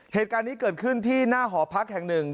เหตุการณ์นี้เกิดขึ้นที่หน้าหอพักแห่งหนึ่ง